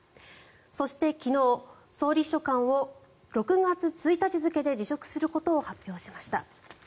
そして昨日、総理秘書官を６月１日付で辞職することを発表しました。